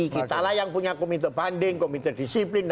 kitalah yang punya komite banding komite disiplin